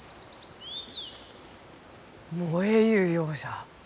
燃えゆうようじゃ。